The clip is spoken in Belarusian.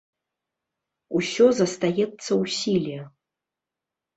Усё застаецца ў сіле.